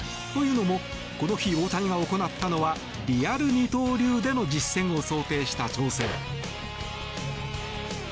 というのもこの日、大谷が行ったのはリアル二刀流での実戦を想定した調整。